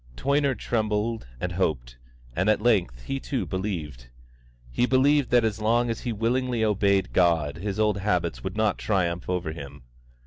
Toyner trembled and hoped, and at length he too believed. He believed that as long as he willingly obeyed God his old habits would not triumph over him.